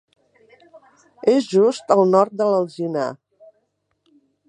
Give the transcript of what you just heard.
És just al nord de l'Alzinar.